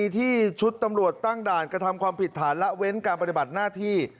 ที่ชุดตำรวจตั้งด่านกระทำความผิดฐานละเว้นการปฏิบัติหน้าที่